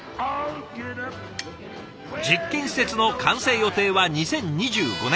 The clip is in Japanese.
実験施設の完成予定は２０２５年。